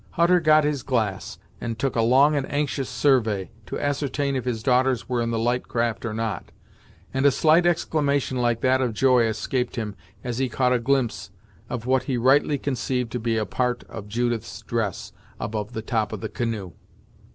Hutter got his glass, and took a long and anxious survey, to ascertain if his daughters were in the light craft or not, and a slight exclamation like that of joy escaped him, as he caught a glimpse of what he rightly conceived to be a part of Judith's dress above the top of the canoe.